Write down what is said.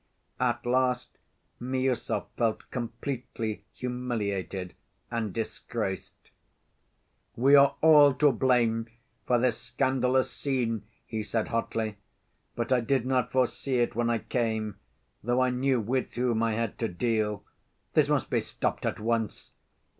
At last Miüsov felt completely humiliated and disgraced. "We are all to blame for this scandalous scene," he said hotly. "But I did not foresee it when I came, though I knew with whom I had to deal. This must be stopped at once!